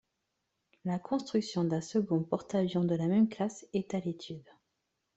La construction d'un second porte-avions de la même classe est à l'étude.